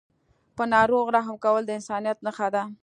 په ناروغ رحم کول د انسانیت نښه ده.